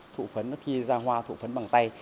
thụ phấn khi ra hoa thụ phấn bằng tay